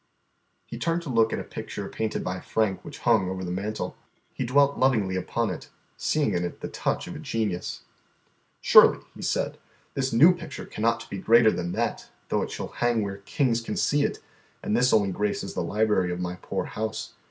He turned to look at a picture painted by Frank which hung over the mantel. He dwelt lovingly upon it, seeing in it the touch of a genius. "Surely," he said, "this new picture cannot be greater than that, though it shall hang where kings can see it and this only graces the library of my poor house.